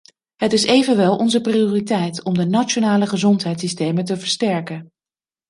Het is evenwel onze prioriteit om de nationale gezondheidssystemen te versterken.